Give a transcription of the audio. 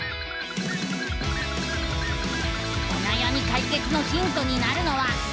おなやみかいけつのヒントになるのは。